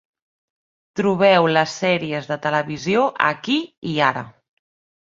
Trobeu les sèries de televisió aquí i ara.